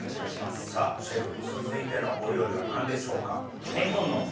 さぁシェフ続いてのお料理は何でしょうか？